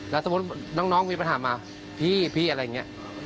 แล้วสมมุติน้องมีปัญหามาพี่พี่อะไรอย่างนี้